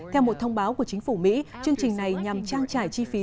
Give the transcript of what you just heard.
theo một thông báo của chính phủ mỹ chương trình này nhằm trang trải chi phí